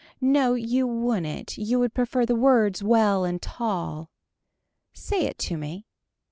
No you wouldn't you would prefer the words well and tall. Say it to me.